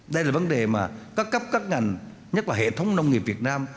đây là vấn đề mà các cấp các ngành nhất là hệ thống nông nghiệp việt nam